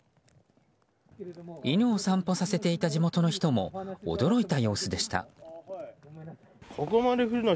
犬を散歩させていた地元の人も驚いた様子でした。